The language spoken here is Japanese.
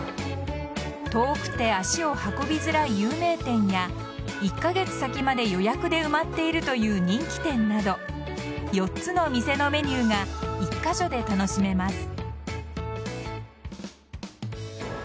遠くて足を運びづらい有名店や１カ月先まで予約で埋まっているという人気店など４つの店のメニューが１カ所で楽しめます。